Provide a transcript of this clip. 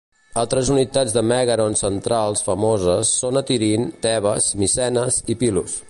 Altres unitats de mègaron centrals famoses són a Tirint, Tebes, Micenes i Pilos.